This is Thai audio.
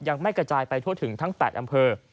ยังไม่กระจายไปทั่วถึงทั้ง๘อำเภอ